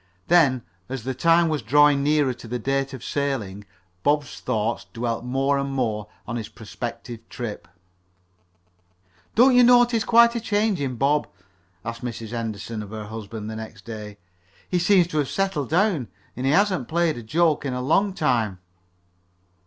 Then, as the time was drawing nearer to the date of sailing, Bob's thoughts dwelt more and more on his prospective trip. "Don't you notice quite a change in Bob?" asked Mrs. Henderson of her husband the next day. "He seems to have settled down, and he hasn't played a joke in a long time."